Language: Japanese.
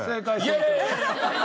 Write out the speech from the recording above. いやいやいやいや。